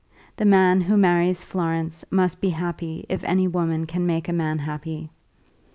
The man who marries Florence must be happy if any woman can make a man happy.